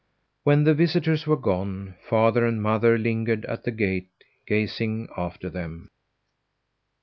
When the visitors were gone, father and mother lingered at the gate gazing after them.